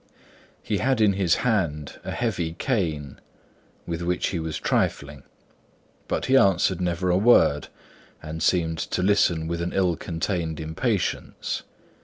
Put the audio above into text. He had in his hand a heavy cane, with which he was trifling; but he answered never a word, and seemed to listen with an ill contained impatience.